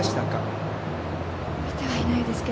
見てはいないですけど。